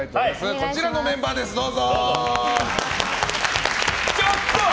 こちらのメンバーです、どうぞ。